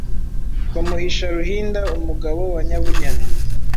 bamuhisha Ruhinda, umugabo wa Nyabunyana.